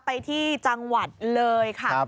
ไปที่จังหวัดเลยค่ะ